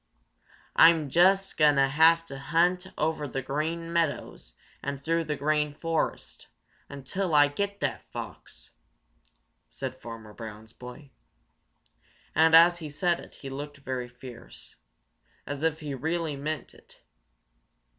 "I'm just going to hunt over the Green Meadows and through the Green Forest until I get that fox!" said Farmer Brown's boy, and as he said it he looked very fierce, as if he really meant it.